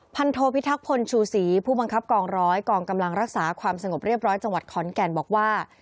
โทพิทักพลชูศรีผู้บังคับกองร้อยกองกำลังรักษาความสงบเรียบร้อยจังหวัดขอนแก่นบอกว่า